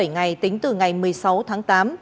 bảy ngày tính từ ngày một mươi sáu tháng tám